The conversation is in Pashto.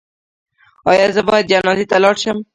ایا زه باید جنازې ته لاړ شم؟